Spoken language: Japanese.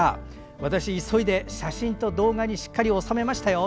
私、急いで写真と動画にしっかり収めましたよ。